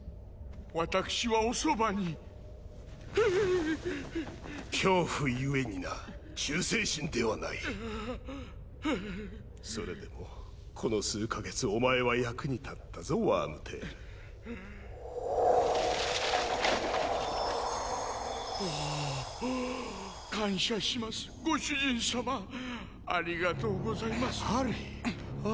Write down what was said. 私はおそばにヒィ恐怖故にな忠誠心ではないそれでもこの数カ月お前は役に立ったぞワームテールおお感謝しますご主人様ありがとうございますハリーあ